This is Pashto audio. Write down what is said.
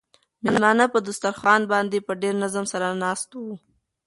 مېلمانه په دسترخوان باندې په ډېر نظم سره ناست وو.